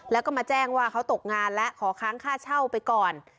แล้วก็มาแจ้งว่าเขาตกงานและขอค้างค่าเช่าไปก่อน